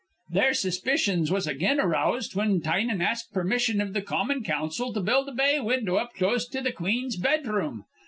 Their suspicions was again aroused whin Tynan asked permission iv th' common council to build a bay window up close to th' queen's bedroom.